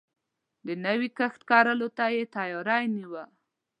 د نوی کښت کرلو ته يې تياری نيوه.